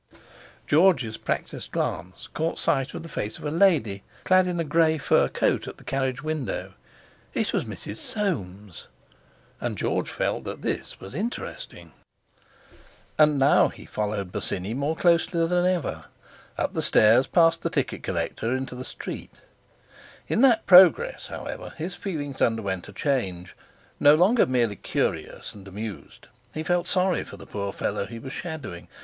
George's practised glance caught sight of the face of a lady clad in a grey fur coat at the carriage window. It was Mrs. Soames—and George felt that this was interesting! And now he followed Bosinney more closely than ever—up the stairs, past the ticket collector into the street. In that progress, however, his feelings underwent a change; no longer merely curious and amused, he felt sorry for the poor fellow he was shadowing.